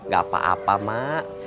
gak apa apa mak